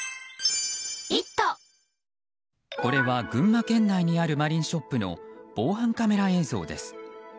これは、群馬県内にあるマリンショップの防犯カメラ映像です。